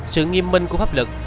sự nghiêm minh của pháp lực